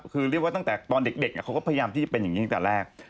คือเรียกว่าตั้งแต่ตอนเด็กเขาก็พยายามที่จะเป็นอย่างนี้ตั้งแต่แรก